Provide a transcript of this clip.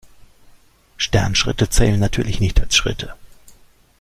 Sternschritte zählen natürlich nicht als Schritte.